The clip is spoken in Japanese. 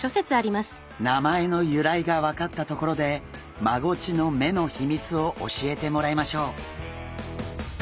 名前の由来が分かったところでマゴチの目の秘密を教えてもらいましょう。